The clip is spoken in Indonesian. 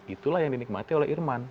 itulah yang dinikmati oleh irman